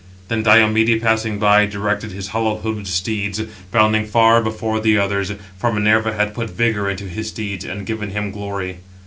Then Diomede passing by, directed his hollow hoofed steeds, bounding far before the others; for Minerva had put vigour into his steeds, and given him glory.